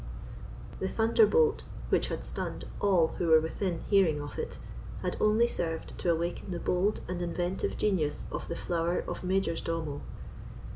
The thunderbolt, which had stunned all who were within hearing of it, had only served to awaken the bold and inventive genius of the flower of majors domo.